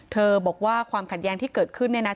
บอกว่าความขัดแย้งที่เกิดขึ้น